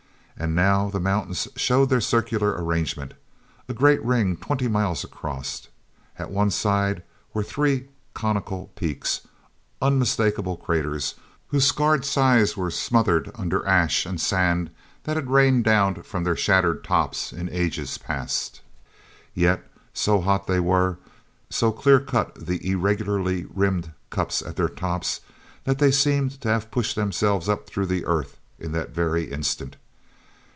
And now the mountains showed their circular arrangement—a great ring, twenty miles across. At one side were three conical peaks, unmistakable craters, whose scarred sides were smothered under ash and sand that had rained down from their shattered tops in ages past. Yet, so hot they were, so clear cut the irregularly rimmed cups at their tops, that they seemed to have pushed themselves up through the earth in that very instant.